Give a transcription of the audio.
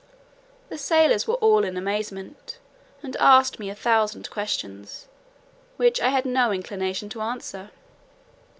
The sailors were all in amazement, and asked me a thousand questions, which I had no inclination to answer.